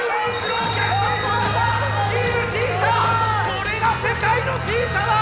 これが世界のＴ社だ！